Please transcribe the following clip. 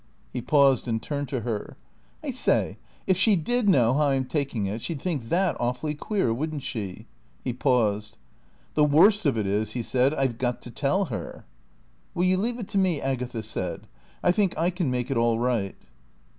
He paused and turned to her. "I say, if she did know how I'm taking it, she'd think that awfully queer, wouldn't she?" He paused. "The worst of it is," he said, "I've got to tell her." "Will you leave it to me?" Agatha said. "I think I can make it all right."